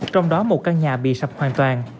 trong đó một căn nhà bị sập hoàn toàn